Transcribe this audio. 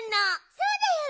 そうだよね！